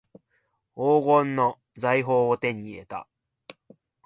黄金の財宝を手に入れた